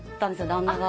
旦那が。